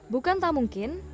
bukan tak mungkin